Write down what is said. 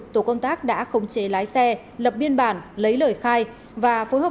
tổ công tác đã khống chế lái xe lập biên bản lấy lời khai và phối hợp